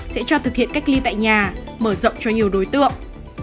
sẽ cho thực hiện cách ly tại nhà mở rộng cho nhiều đối tượng